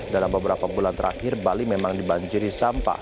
dalam beberapa bulan terakhir bali memang dibanjiri sampah